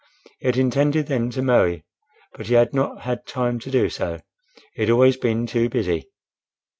He had intended then to marry; but he had not had time to do so; he had always been too busy.